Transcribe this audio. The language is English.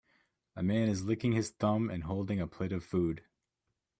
A man is licking his thumb and holding a plate of food.